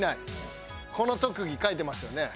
この特技書いてますよね？